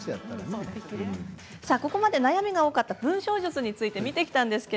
ここまで悩みが多かった文章術について見てきました。